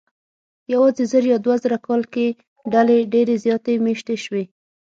یواځې زر یا دوه زره کاله کې ډلې ډېرې زیاتې مېشتې شوې.